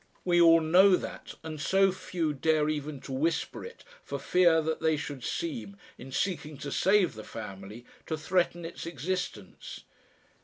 We all know that, and so few dare even to whisper it for fear that they should seem, in seeking to save the family, to threaten its existence.